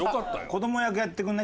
子ども役やってくれない？